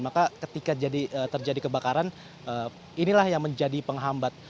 maka ketika terjadi kebakaran inilah yang menjadi penghambat